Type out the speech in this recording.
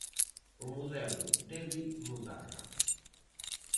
O modelo debe mudar.